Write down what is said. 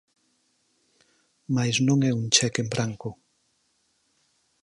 Mais non é un cheque en branco.